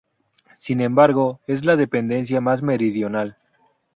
Sin embargo, es la dependencia más meridional.